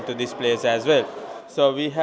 gọi là phong gua